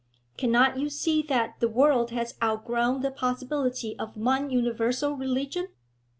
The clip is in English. Cannot you see that the world has outgrown the possibility of one universal religion?